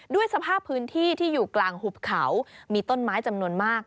ด้วยสภาพพื้นที่ที่อยู่กลางหุบเขามีต้นไม้จำนวนมาก